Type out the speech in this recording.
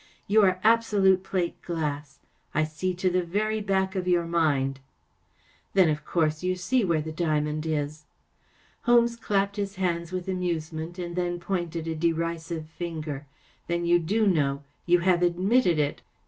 44 You are absolute plate glass. I see to the very back of your mind.‚ÄĚ ,4 Then, of course, you see where the diamond is ! ‚ÄĚ Holmes clapped his hands with amuse¬ ment, and then pointed a derisive finger. 44 Then you do know. You have admitted it!